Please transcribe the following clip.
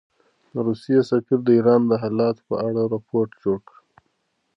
د روسیې سفیر د ایران د حالاتو په اړه رپوټ جوړ کړ.